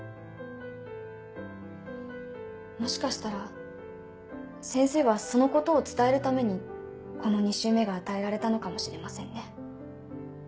もしかしたら先生はそのことを伝えるためにこの２周目が与えられたのかもしれませんね。